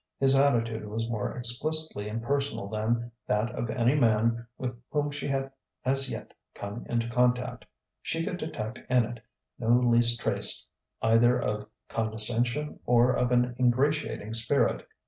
His attitude was more explicitly impersonal than that of any man with whom she had as yet come into contact: she could detect in it no least trace either of condescension or of an ingratiating spirit.